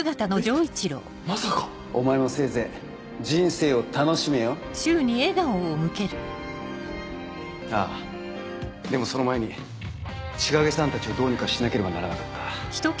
まさかお前もせいぜい人生を楽しめよああでもその前に千景さんたちをどうにかしなければならなかった。